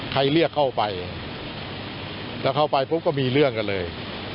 เรียกเข้าไปแล้วเข้าไปปุ๊บก็มีเรื่องกันเลย